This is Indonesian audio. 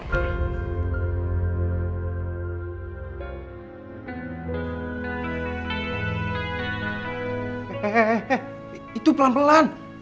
eh itu pelan pelan